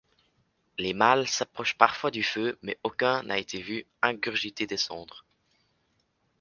Les mâles s'approchent parfois du feu, mais aucun n'a été vu ingurgiter des cendres.